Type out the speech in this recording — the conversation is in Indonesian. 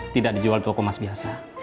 tidak dijual di toko mas biasa